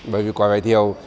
bởi vì quả bài thiều